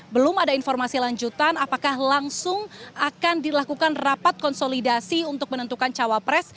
belum ada informasi lanjutan apakah langsung akan dilakukan rapat konsolidasi untuk menentukan cawapres